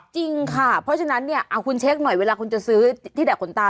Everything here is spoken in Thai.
จริงค่ะเพราะฉะนั้นเนี่ยคุณเช็คหน่อยเวลาคุณจะซื้อที่แดกขนตา